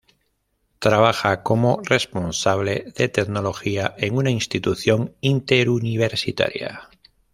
Trabaja como responsable de tecnología en una institución interuniversitaria.